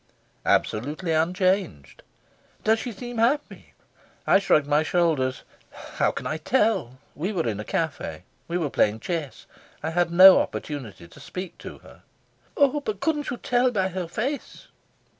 "Absolutely unchanged." "Does she seem happy?" I shrugged my shoulders. "How can I tell? We were in a cafe; we were playing chess; I had no opportunity to speak to her." "Oh, but couldn't you tell by her face?"